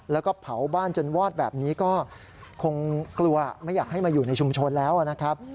แล้วก็เผาบ้านจนวอดแบบนี้ก็คงกลัวไม่อยากให้มาอยู่ในชุมชนแล้วนะครับ